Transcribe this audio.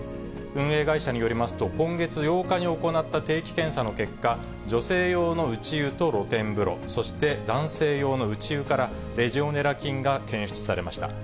運営会社によりますと、今月８日に行った定期検査の結果、女性用の内湯と露天風呂、そして男性用の内湯から、レジオネラ菌が検出されました。